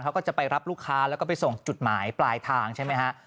เขาก็จะไปรับลูกค้าแล้วก็ไปส่งจุดหมายปลายทางใช่ไหมฮะ